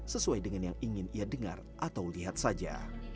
sesuai dengan yang ingin ia dengar atau lihat saja